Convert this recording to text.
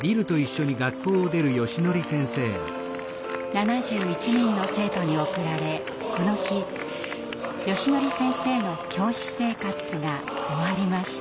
７１人の生徒に送られこの日よしのり先生の教師生活が終わりました。